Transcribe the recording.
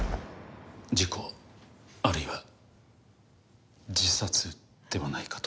事故あるいは自殺ではないかと。